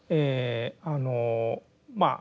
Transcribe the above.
あのまあ